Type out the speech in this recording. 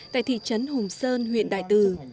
tại thị trấn hùng sơn huyện đại từ